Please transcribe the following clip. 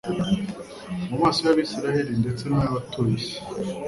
mu maso y'Abisirayeli ndetse n'abatuye isi.